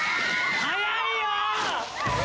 早いよ！